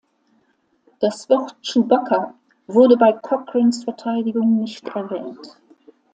Das Wort "Chewbacca" wurde bei Cochrans Verteidigung nicht erwähnt.